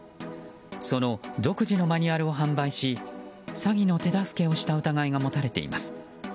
その独自のマニュアルを販売し詐欺の手助けをした疑いが持たれています。